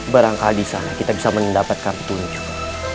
barangkali di sana kita bisa mendapatkan petunjuk